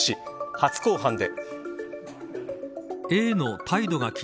初公判で。